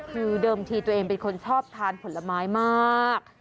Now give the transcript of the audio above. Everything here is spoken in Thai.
คือเดิมทีตัวเองเป็นคนชอบทานผลไม้มาก